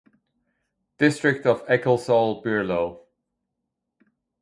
District of Ecclesall Bierlow.